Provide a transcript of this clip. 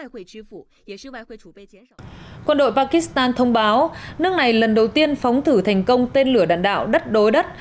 quân đội pakistan thông báo nước này lần đầu tiên phóng thử thành công tên lửa đạn đạo đất đối đất